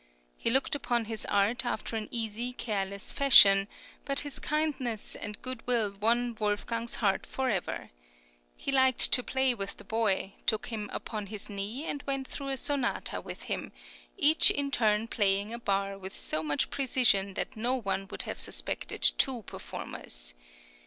He looked upon his art after an easy careless fashion; but his kindness and goodwill won Wolfgang's heart for ever. He liked to play with the boy; took him upon his knee and went through a sonata with him, each in turn playing a bar with so much precision that no one would have suspected two performers.